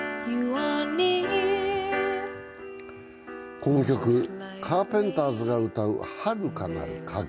この曲、カーペンターズが歌う「遥かなる影」。